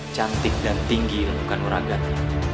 cantik dan tinggi ilmukan orang gantinya